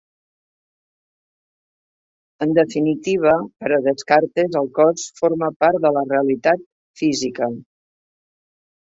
En definitiva, per a Descartes el cos forma part de la realitat física.